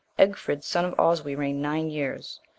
Egfrid, son of Oswy, reigned nine years.